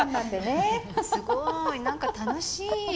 すごい何か楽しい！